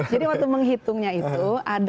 jadi waktu menghitungnya itu